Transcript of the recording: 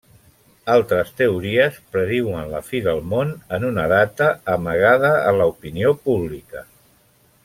Altres teories prediuen la fi del món en una data amagada a l'opinió pública.